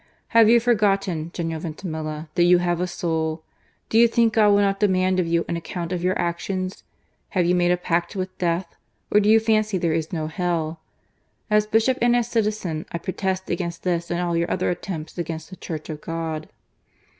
Have you forgotten, General Vintimilia, that you have a soul ? Do you think God will not demand of you an account of your actions ? Ha\'e you made a pact with death ? or do you fancy there is no Hell ?... As bishop and as citizen I protest against this, and all your other attempts against the Church of God."